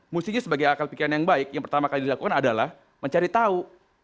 mestinya sebagai akal pikiran yang baik yang pertama kali dilakukan adalah mencari tahu